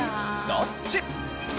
どっち？